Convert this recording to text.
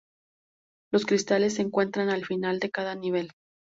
Los cristales se encuentran al final de cada nivel.